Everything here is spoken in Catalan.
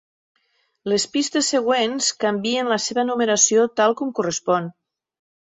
Les pistes següents canvien la seva numeració tal com correspon.